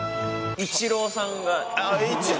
イチローさん？